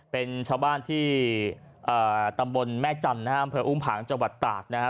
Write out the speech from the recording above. เป็นชาวบ้านที่ตำบลแม่จันทร์นะฮะอำเภออุ้มผังจังหวัดตากนะฮะ